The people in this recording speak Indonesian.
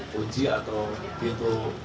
kunci atau pintu